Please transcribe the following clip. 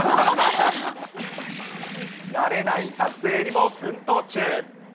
なれない撮影にも奮闘中。